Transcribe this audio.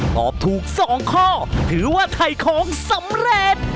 ตอบถูก๒ข้อถือว่าถ่ายของสำเร็จ